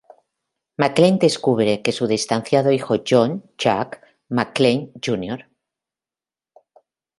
McClane descubre que su distanciado hijo John ""Jack"" McClane, Jr.